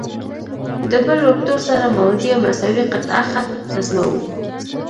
د بل وکتور سره موازي او مساوي قطعه خط رسموو.